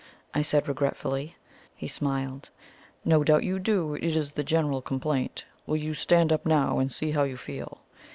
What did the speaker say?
I said regretfully. He smiled. "No doubt you do. It is the general complaint. Will you stand up now and see how you feel?"